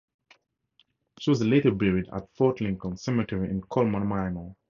She was later buried at Fort Lincoln Cemetery in Colmar Manor, Maryland.